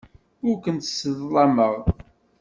Ur kent-sseḍlameɣ.